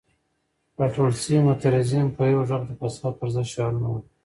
راټول شوي معترضین په یو غږ د فساد پر ضد شعارونه ورکوي.